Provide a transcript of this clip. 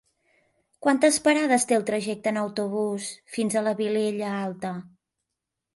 Quantes parades té el trajecte en autobús fins a la Vilella Alta?